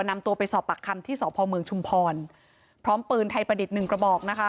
นำตัวไปสอบปากคำที่สพเมืองชุมพรพร้อมปืนไทยประดิษฐ์หนึ่งกระบอกนะคะ